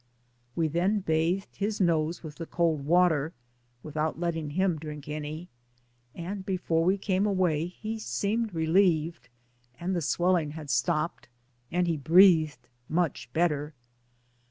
We then bathed his nose with the cold water, without letting him drink any, and before we came away he seemed relieved, and the swelling had stopped and he breathed much better.